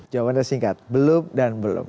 jawaban yang singkat belum dan belum